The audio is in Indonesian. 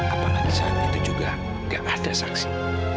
apalagi saat itu juga gak ada saksi